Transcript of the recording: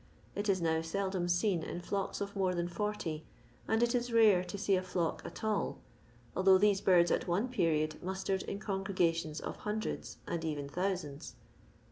It is now seldom seen in flocks of more than 40, and it is rare to see a flock at all, although these birds at one period mnstersd in congregations of hundreds and even thousands.